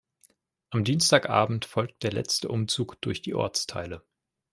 Am Dienstagabend folgt der letzte Umzug durch die Ortsteile.